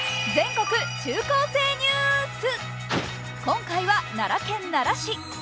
今回は奈良県奈良市。